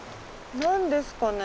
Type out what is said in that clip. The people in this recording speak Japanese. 何ですかね。